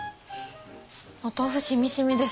お豆腐しみしみです。